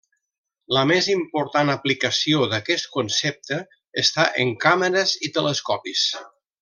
La més important aplicació d'aquest concepte està en càmeres i telescopis.